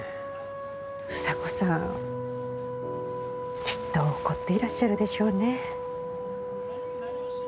房子さんきっと怒っていらっしゃるでしょうね。